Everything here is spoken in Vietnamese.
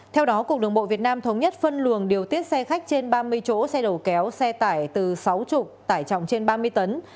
theo đó cục đường bộ việt nam thống nhất phân luồng điều tiết xe khách trên ba mươi chỗ xe đầu kéo xe tải từ sáu mươi tải trọng trên ba mươi tấn